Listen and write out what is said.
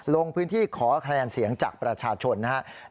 ลงพื้นที่ขอแคลนเสียงจากประชาชนนะฮะ